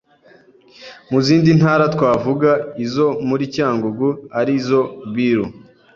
Mu zindi ntara twavuga, izo muri Cyangugu ari zo BIRU